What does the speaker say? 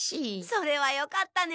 それはよかったね。